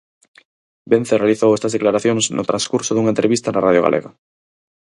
Vence realizou estas declaracións no transcurso dunha entrevista na Radio Galega.